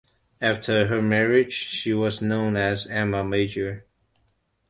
After her marriage she was known as Emma Major.